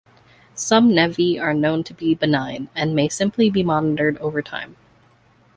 Some nevi are known to be benign, and may simply be monitored over time.